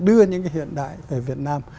đưa những cái hiện đại về việt nam